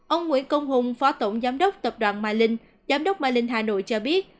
ông nguyễn công hùng phó tổng giám đốc tập đoàn mylink giám đốc mylink hà nội cho biết